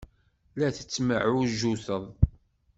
La tettemɛujjuted.